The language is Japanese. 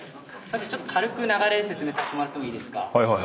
ちょっと軽く流れ説明させてもらってもいいですか。